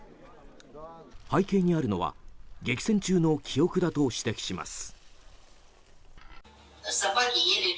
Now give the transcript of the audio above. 背景にあるのは激戦中の記憶だと指摘します。